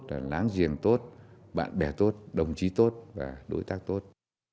là láng giềng tốt bạn bè tốt đồng chí tốt và đối tác tốt